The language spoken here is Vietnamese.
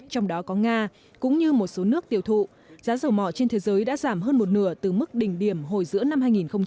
trong đó có nga cũng như một số nước tiêu thụ giá dầu mỏ trên thế giới đã giảm hơn một nửa từ mức đỉnh điểm hồi giữa năm hai nghìn một mươi năm